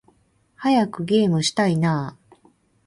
早くゲームしたいな〜〜〜